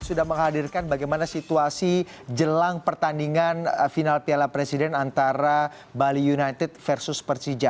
sudah menghadirkan bagaimana situasi jelang pertandingan final piala presiden antara bali united versus persija